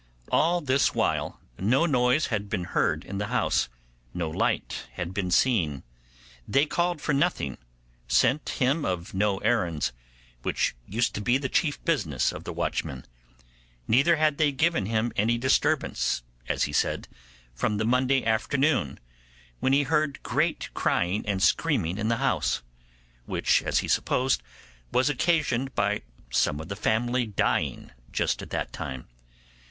All this while no noise had been heard in the house, no light had been seen; they called for nothing, sent him of no errands, which used to be the chief business of the watchmen; neither had they given him any disturbance, as he said, from the Monday afternoon, when he heard great crying and screaming in the house, which, as he supposed, was occasioned by some of the family dying just at that time.